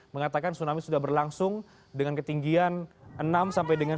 mengatakan tsunami sudah berlangsung dengan ketinggian enam sampai dengan